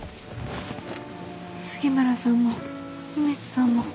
杉村さんも梅津さんも。